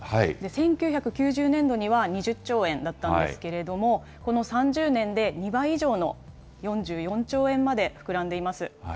１９９０年度には２０兆円だったんですけれども、この３０年で２倍以上の４４兆円まで膨らんでいます。